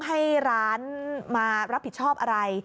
ให้ร้านมารับผิดชอบอะไร